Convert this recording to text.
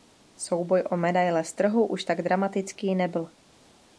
Souboj o medaile z trhu už tak dramatický nebyl.